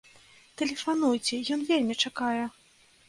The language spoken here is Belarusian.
Тэлефануйце, ён вельмі чакае!